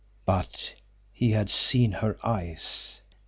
But he had seen her eyes!